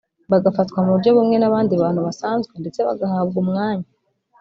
bagafatwa mu buryo bumwe n’abandi bantu basanzwe ndetse bagahabwa umwanya